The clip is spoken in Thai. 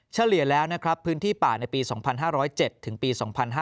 เฉลี่ยแล้วนะครับพื้นที่ป่าในปี๒๕๐๗ถึงปี๒๕๕๙